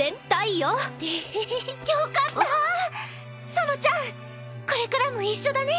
そのちゃんこれからも一緒だね。